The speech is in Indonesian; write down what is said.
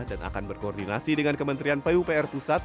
dan akan berkoordinasi dengan kementerian pupr pusat